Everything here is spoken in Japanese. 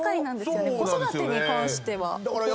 子育てに関しては。